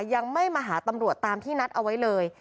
ยังไม่มาหาตำรวจตามที่นัดเอาไว้เลย